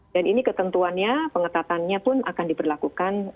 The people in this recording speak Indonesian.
dan ini ketentuannya pengetatannya pun akan diberlakukan